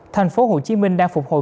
thành phố hồ chí minh đang phục hồi